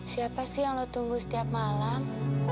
siapa sih yang lo tunggu setiap malam